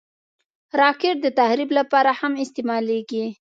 راکټ د تخریب لپاره هم استعمالېږي